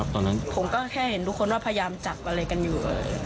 ผมก็แค่เห็นทุกคนว่าพยายามจับอะไรกันอยู่